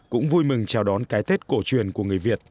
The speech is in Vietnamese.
cũng vui mừng chào đón cái tết cổ truyền của người việt